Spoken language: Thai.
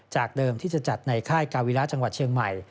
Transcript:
เดิมที่จะจัดในค่ายกาวิระจังหวัดเชียงใหม่